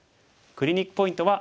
クリニックポイントは。